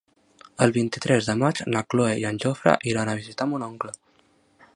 El vint-i-tres de maig na Cloè i en Jofre iran a visitar mon oncle.